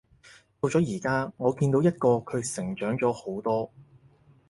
到咗而家，我見到一個佢成長咗好多